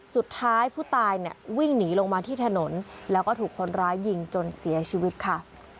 สุดท้ายผู้ตายเนี่ยวิ่งหนีลงมาที่ถนนแล้วก็ถูกคนร้ายยิงจนเสียชีวิตค่ะ